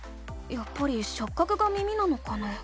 やっぱりしょっ角が耳なのかな？